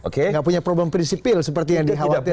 tidak punya problem prinsipil seperti yang dikhawatirkan